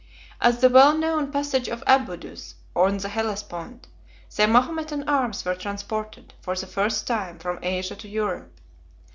At the well known passage of Abydus, on the Hellespont, the Mahometan arms were transported, for the first time, 1111 from Asia to Europe.